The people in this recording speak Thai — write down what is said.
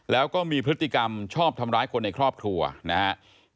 แล้วก็มีพฤติกรรมชอบทำร้ายคนในครอบครัวนะครับ